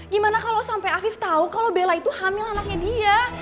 gimana kalau sampai afif tahu kalau bella itu hamil anaknya dia